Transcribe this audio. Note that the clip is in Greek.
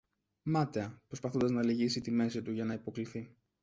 μάταια προσπαθώντας να λυγίσει τη μέση του για να υποκλιθεί.